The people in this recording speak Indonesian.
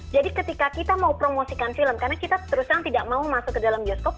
jadi ketika kita mau promosikan film karena kita terus terus tidak mau masuk ke dalam bioskop